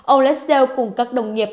ông lassell cùng các đồng nghiệp